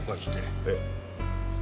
ええ。